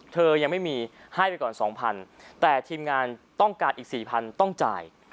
ยังไม่มีให้ไปก่อน๒๐๐๐แต่ทีมงานต้องการอีก๔๐๐ต้องจ่าย